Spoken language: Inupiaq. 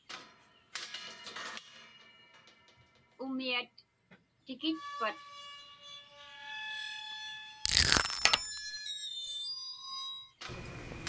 Umiat tikitpat?